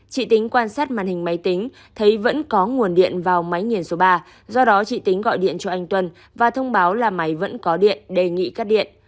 chị tính quan sát màn hình máy tính thấy vẫn có nguồn điện vào máy nghiền số ba do đó chị tính gọi điện cho anh tuân và thông báo là máy vẫn có điện đề nghị cắt điện